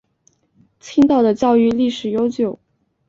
青岛的教育历史悠久。